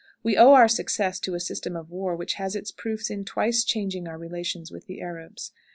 "We owe our success to a system of war which has its proofs in twice changing our relations with the Arabs.